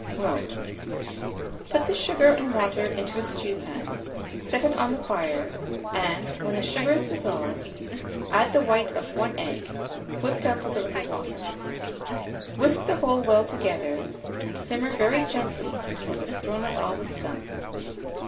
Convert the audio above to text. Mode. Put the sugar and water into a stewpan; set it on the fire, and, when the sugar is dissolved, add the white of the egg, whipped up with a little water. Whisk the whole well together, and simmer very gently until it has thrown up all the scum.